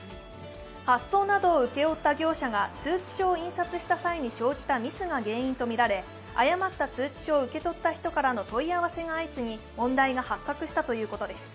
発送などを請け負った業者が通知書などを印刷したときに生じたミスが原因とみられ、誤った通知書を受け取った人からの問い合わせが相次ぎ問題が発覚したということです。